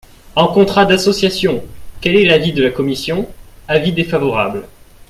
En contrat d’association ! Quel est l’avis de la commission ? Avis défavorable.